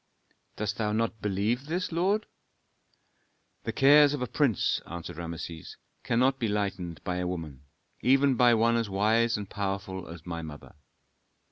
"Dost thou not believe this, lord?" "The cares of a prince," answered Rameses, "cannot be lightened by a woman, even by one as wise and powerful as my mother."